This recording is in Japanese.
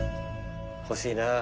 欲しいな。